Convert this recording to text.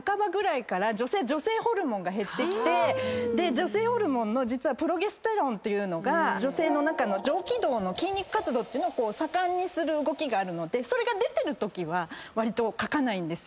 女性ホルモンのプロゲステロンっていうのが女性の中の上気道の筋肉活動を盛んにする動きがあるのでそれが出てるときはわりとかかないんですよ。